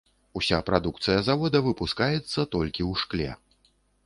Уся прадукцыя завода выпускаецца толькі ў шкле.